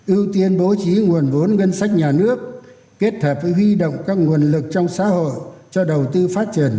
ưu tiên bố trí nguồn vốn ngân sách nhà nước kết hợp với huy động các nguồn lực trong xã hội cho đầu tư phát triển